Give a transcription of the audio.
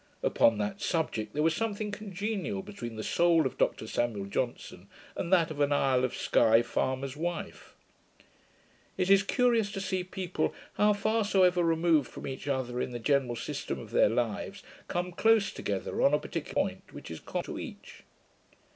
Upon that subject, there was something congenial between the soul of Dr Samuel Johnson, and that of an isle of Sky farmer's wife. It is curious to see people, how far soever removed from each other in the general system of their lives, come close together on a particular point which is common to each.